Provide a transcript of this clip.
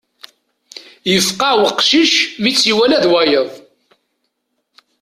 Yefqeɛ uqcic mi tt-iwala d wayeḍ.